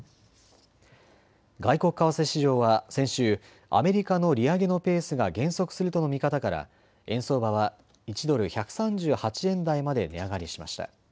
外国為替市場は先週、アメリカの利上げのペースが減速するとの見方から円相場は１ドル１３８円台まで値上がりしました。